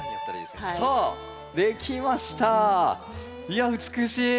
いや美しい。